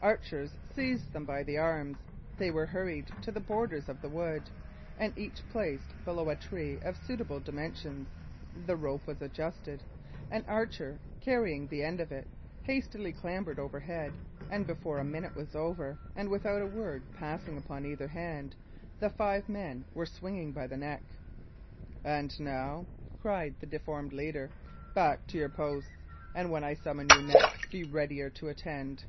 Archers seized them by the arms; they were hurried to the borders of the wood, and each placed below a tree of suitable dimension; the rope was adjusted; an archer, carrying the end of it, hastily clambered overhead; and before a minute was over, and without a word passing upon either hand, the five men were swinging by the neck. "And now," cried the deformed leader, "back to your posts, and when I summon you next, be readier to attend."